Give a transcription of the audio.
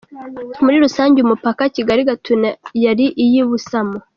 Muri rusange uyu mupaka Kigali Gatuna yari iy’ibusamu.